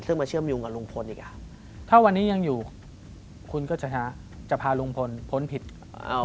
ซึ่งมาเชื่อมโยงกับลุงพลอีกอ่ะถ้าวันนี้ยังอยู่คุณก็จะพาลุงพลพ้นผิดอ่า